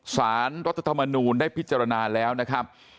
สารรธรรมนูนได้ภิกษ์จรรย์แล้วนะครับ